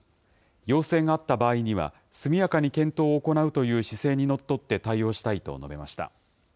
要請があった場合には、速やかに検討を行うという姿勢にのっとって対応したいと述べました。